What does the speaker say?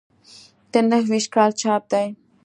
د نهه ویشت کال چاپ دی.